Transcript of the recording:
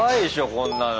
こんなの。